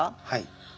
はい。